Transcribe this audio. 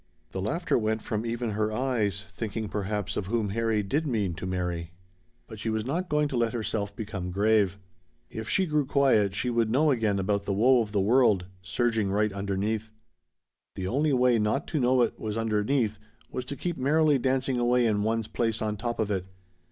The laughter went from even her eyes thinking, perhaps, of whom Harry did mean to marry. But she was not going to let herself become grave. If she grew quiet she would know again about the woe of the world surging right underneath. The only way not to know it was underneath was to keep merrily dancing away in one's place on top of it.